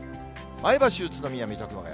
前橋、宇都宮、水戸、熊谷。